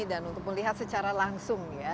dan untuk melihat secara langsung ya